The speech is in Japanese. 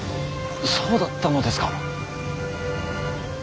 そうだったのですか。